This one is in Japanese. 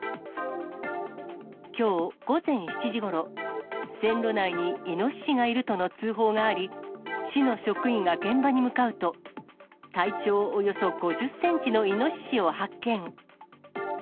きょう午前７時ごろ、線路内にイノシシがいるとの通報があり、市の職員が現場に向かうと、体長およそ５０センチのイノシシを発見。